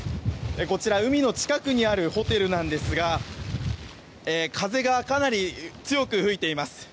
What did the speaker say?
こちら海の近くにあるホテルなんですが風がかなり強く吹いています。